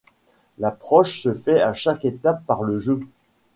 L'approche se fait à chaque étape par le jeu.